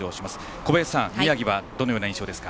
小林さん、宮城はどのような印象ですか。